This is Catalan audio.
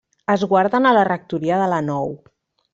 Es guarden a la Rectoria de la Nou.